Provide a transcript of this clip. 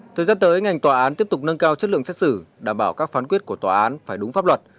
thời gian tới ngành tòa án tiếp tục nâng cao chất lượng xét xử đảm bảo các phán quyết của tòa án phải đúng pháp luật